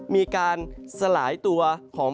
มีการสลายตัวของ